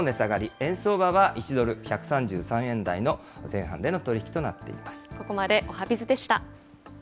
円相場は１ドル１３３円台の前半での取り引きとなっています。